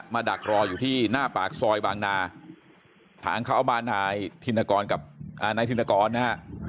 มาดักรออยู่ที่หน้าปากซอยบางนาถางเขาบ้านนายนายธินกรนะ